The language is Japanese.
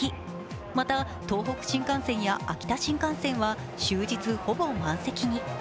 また東北新幹線や秋田新幹線は終日ほぼ満席に。